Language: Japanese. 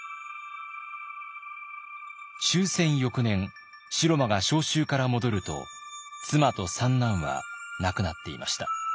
終戦翌年城間が召集から戻ると妻と三男は亡くなっていました。